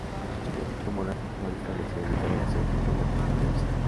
Chile y Comoras no han establecido nunca relaciones diplomáticas de manera oficial.